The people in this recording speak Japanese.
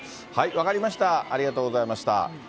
分かりました、ありがとうございました。